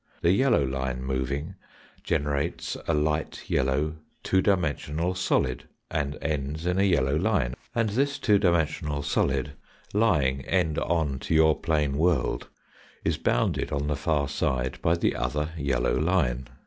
The yellow line moving generates a light yellow two dimensional solid and ends in a yellow line, and thus two dimensional solid, lying end on to your plane world, is bounded on the far side by the other yellow line.